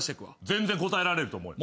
全然答えられると思うよ。